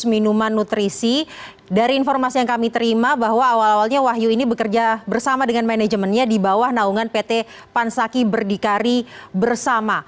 minuman nutrisi dari informasi yang kami terima bahwa awal awalnya wahyu ini bekerja bersama dengan manajemennya di bawah naungan pt pansaki berdikari bersama